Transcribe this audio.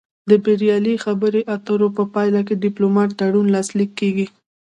د بریالۍ خبرو اترو په پایله کې ډیپلوماتیک تړون لاسلیک کیږي